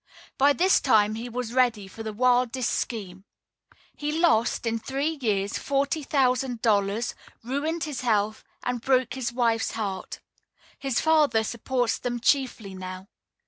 By this time he was ready for the wildest scheme. He lost, in three years, forty thousand dollars, ruined his health, and broke his wife's heart. Her father supports them chiefly now.